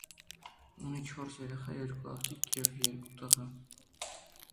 Ունի չորս երեխա՝ երկու աղջիկ և երկու տղա։